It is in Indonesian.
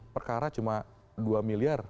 perkara cuma dua miliar